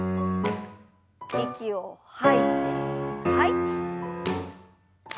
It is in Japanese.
息を吐いて吐いて。